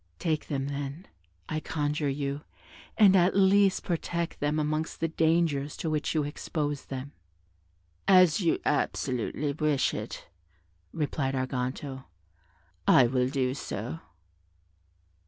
Take them, then, I conjure you, and at least protect them amongst the dangers to which you expose them." "As you absolutely wish it," replied Arganto, "I will do so."